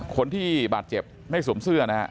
คนที่บาดเจ็บไม่สวมเสื้อนะฮะ